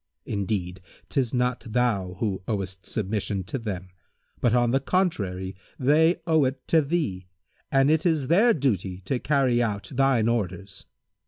Indeed, 'tis not thou who owest submission to them; but on the contrary they owe it to thee, and it is their duty to carry out thine orders.